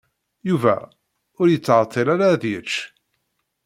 Yuba ur yettɛeṭṭil ara ad yečč.